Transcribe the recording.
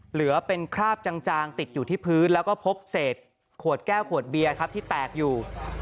เหลือเป็นคราบจางติดอยู่ที่พื้นแล้วก็พบเศษขวดแก้วขวดเบียร์ครับที่แตกอยู่